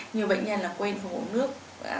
nhiều bệnh nhân là quên uống nước